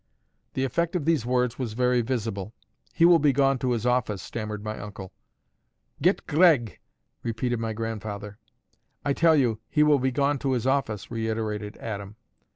The effect of these words was very visible. "He will be gone to his office," stammered my uncle. "Get Gregg!" repeated my grandfather. "I tell you, he will be gone to his office," reiterated Adam.